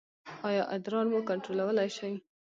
ایا ادرار مو کنټرولولی شئ؟